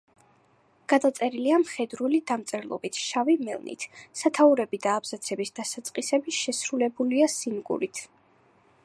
გადაწერილია მხედრული დამწერლობით, შავი მელნით; სათაურები და აბზაცების დასაწყისები შესრულებულია სინგურით.